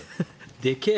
でけえ。